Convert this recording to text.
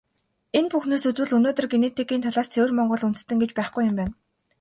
Энэ бүхнээс үзвэл, өнөөдөр генетикийн талаас ЦЭВЭР МОНГОЛ ҮНДЭСТЭН гэж байхгүй юм байна.